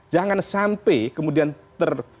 jangan sampai kemudian ter